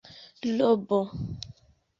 robo